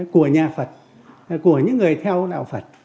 của nhà phật của những người theo đạo phật